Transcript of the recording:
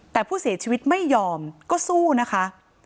แต่ผู้เสียชีวิตไม่ยอมก็สู้นะคะ